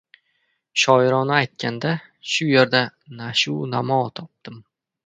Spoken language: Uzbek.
Shoirona aytganda, shu yerda “nash’u namo topdim”.